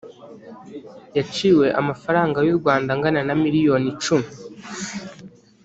yaciwe amafaranga y’u rwanda angana na miliyoni icumi